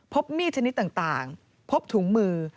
พบมีดชนิดต่างพบถุงมือ